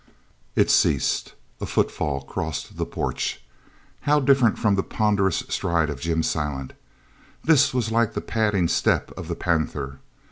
It ceased. A footfall crossed the porch. How different from the ponderous stride of Jim Silent! This was like the padding step of the panther.